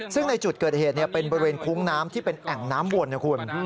ซึ่งในจุดเกิดเหตุเป็นบริเวณคุ้งน้ำที่เป็นแอ่งน้ำวนนะคุณ